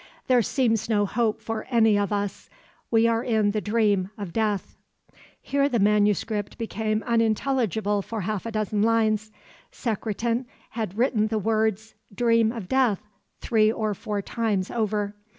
"There seems no hope for any of us. We are in the dream of death...." Here the manuscript became unintelligible for half a dozen lines. Secretan had written the words "dream of death" three or four times over.